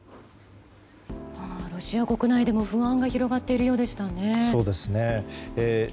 ロシア国内でも不安が広がっているようでしたね。